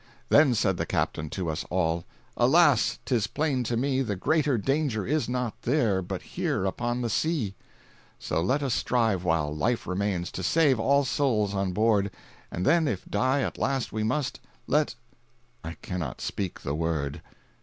Then said the captain to us all, "Alas, 'tis plain to me, The greater danger is not there, But here upon the sea. "So let us strive, while life remains, To save all souls on board, And then if die at last we must, Let .... I cannot speak the word!"